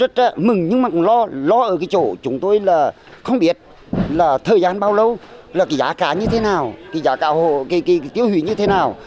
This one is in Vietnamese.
thời gian bao lâu giá cá như thế nào tiêu hủy như thế nào